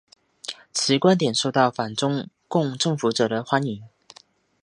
其观点受到反中共政府者的欢迎。